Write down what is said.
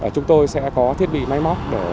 chúng tôi sẽ có thiết bị máy móc để phối hợp địa phương